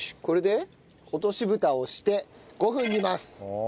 これで落とし蓋をして５分煮ます。